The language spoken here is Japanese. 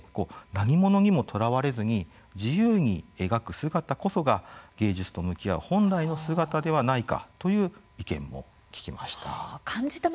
何ものにも、とらわれずに自由に描く姿こそが芸術と向き合う本来の姿ではないかという意見も聞きました。